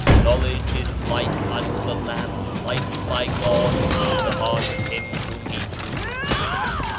"Knowledge is like unto the lamp lighted by God in the heart of him whom he chooseth."